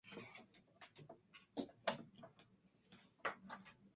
Su padre, John Fletcher Pershing, era un negociante local y propietario de una tienda.